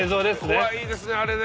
怖いですねあれね。